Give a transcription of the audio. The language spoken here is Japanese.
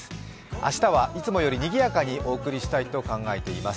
明日はいつもよりにぎやかにお送りしたいと思っています。